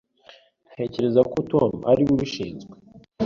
Ntekereza ko Tom ari we ubishinzwe.